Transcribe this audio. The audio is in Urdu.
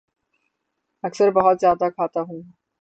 اکثر بہت زیادہ کھاتا ہوں